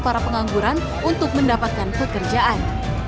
para pengangguran untuk mendapatkan pekerjaan